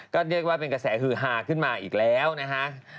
ก็เรียกว่าเป็นกระแสฮือฮาขึ้นมาอีกแล้วนะฮะ